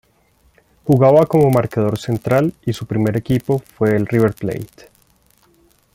Jugaba como marcador central y su primer equipo fue River Plate.